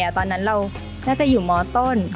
ตอนนั้นเราน่าจะอยู่มต้น